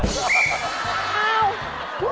นะครับค่ะ